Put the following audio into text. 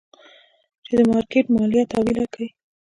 چې د مارکېټ ماليه تاويله کي.